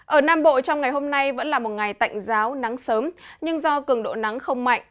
ở nam bộ trong ngày hôm nay vẫn là một ngày tạnh giáo nắng sớm nhưng do cường độ nắng không mạnh